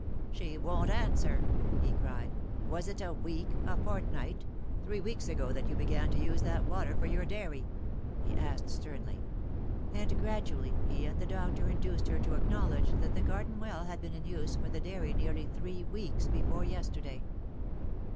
" She won't answer 1" he cried. " Was it a week a fortnight three weeks ago that you began to use that water for your dairy ?" he asked sternly ; and gradually he and the doctor induced her to acknowledge that the garden well had been iu use for the dairy nearly three weeks befoi e yesterday.